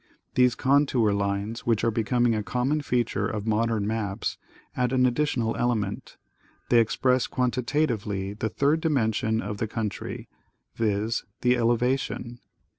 ']"'hese contour lines, which are becoming a common feature of modern maps, add an additional element. They expresss quantitatively the third dimen sion of the country, viz : the elevation.